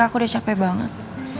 aku udah capek banget